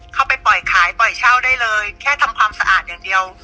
เข้าไปปล่อยขายปล่อยเช่าได้เลยแค่ทำความสะอาดอย่างเดียว